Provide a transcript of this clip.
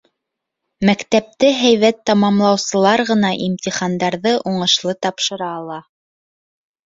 Мәктәпте һәйбәт тамамлаусылар ғына имтихандарҙы уңышлы тапшыра ала